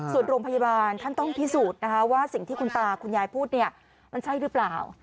ส่วนโรงพยาบาลท่านต้องพิสูจน์นะคะว่าสิ่งที่คุณตาคุณยายพูดเนี่ยมันใช่หรือเปล่า